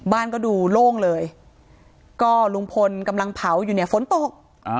บ้านก็ดูโล่งเลยก็ลุงพลกำลังเผาอยู่เนี่ยฝนตก